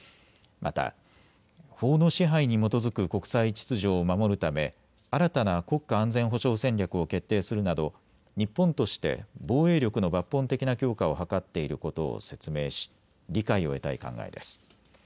また、法の支配に基づく国際秩序を守るため新たな国家安全保障戦略を決定するなど日本として防衛力の抜本的な強化を図っていることを説明し理解を得たい考えです。